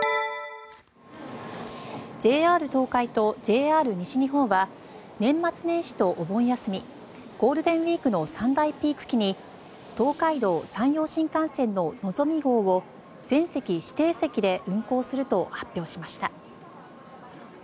ＪＲ東海とＪＲ西日本は年末年始とお盆休みゴールデンウィークの三大ピーク期に東海道・山陽新幹線ののぞみ号を全席指定席で運行すると発表しました。